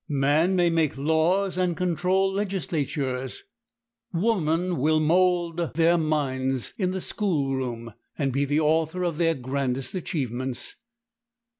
Man may make laws and control legislatures, woman will mold their minds in the school room and be the author of their grandest achievements.